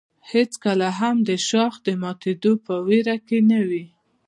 هېڅکله هم د شاخ د ماتېدو په ویره کې نه وي.